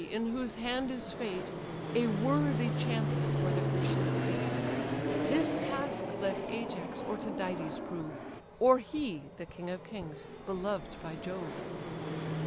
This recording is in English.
in whose hand is fate, A worthy champion for the Grecian state: This task let Ajax or Tydides prove, Or he, the king of kings, beloved by Jove."